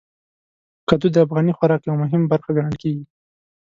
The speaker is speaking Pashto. کدو د افغاني خوراک یو مهم برخه ګڼل کېږي.